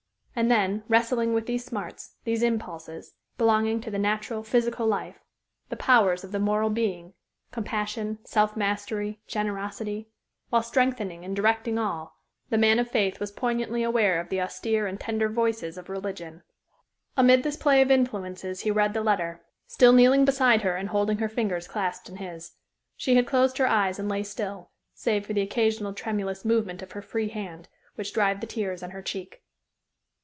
And then, wrestling with these smarts, these impulses, belonging to the natural, physical life, the powers of the moral being compassion, self mastery, generosity; while strengthening and directing all, the man of faith was poignantly aware of the austere and tender voices of religion. Amid this play of influences he read the letter, still kneeling beside her and holding her fingers clasped in his. She had closed her eyes and lay still, save for the occasional tremulous movement of her free hand, which dried the tears on her cheek.